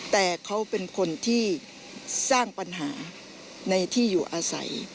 แต่เขาเป็นคนที่สร้างปัญหาในที่อยู่อาศัย